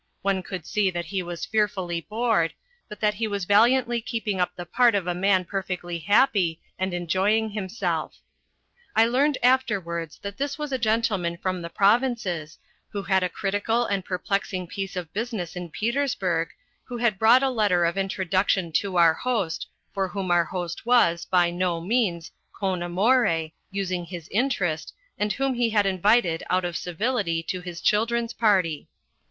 One could see that he was fearfully bored, but that he was valiantly keep ing up the part of a man perfectly happy and enjoying himself. I learned afterwards that this was a gentleman from the pro vinces, who had a critical and perplexing piece of business in Petersburg, who had brought a letter of introduction to our host, for whom our host was, by no means con amore, using his intcn st, and whom he had invited, out of civility, to his children's party.